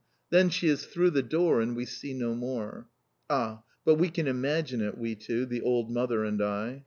Then she is through the door, and we see no more. Ah, but we can imagine it, we two, the old mother and I!